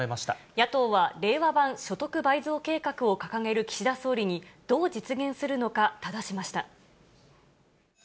野党は令和版所得倍増計画を掲げる岸田総理に、どう実現するのか、ただしました。